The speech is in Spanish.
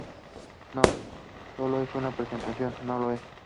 No, sólo es una representación, ¿no lo es?